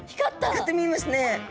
光って見えますね。